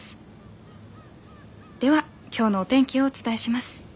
では今日のお天気をお伝えします。